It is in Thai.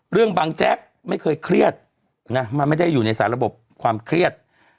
บางแจ๊กไม่เคยเครียดนะมันไม่ได้อยู่ในสารระบบความเครียด